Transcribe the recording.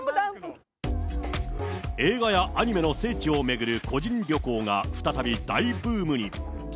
映画やアニメの聖地を巡る個人旅行が再び大ブームに。